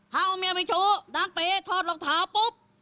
ถ้าวงเมียไม่ชูนางตีธนรองเท้าปุ๊บ